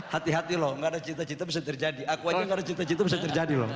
hati hati loh gak ada cita cita bisa terjadi aku aja gak ada cita cita bisa terjadi loh